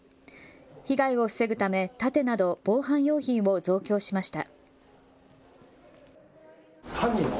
被害を防ぐため盾など防犯用品を増強しました。